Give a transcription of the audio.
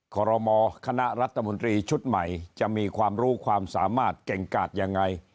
ขอรมอคณะรัฐมนตรีชุดใหม่จะมีความรู้ความสามารถเก่งกาดยังไง